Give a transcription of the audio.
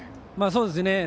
そうですね。